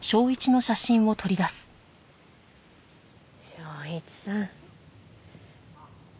昇一さん。